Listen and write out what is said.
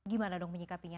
gimana dong menyikapinya